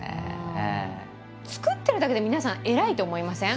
作ってるだけで皆さん偉いと思いません？